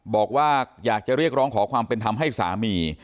บอกว่าอยากจะเรียกร้องขอความเป็นธรรมให้สามี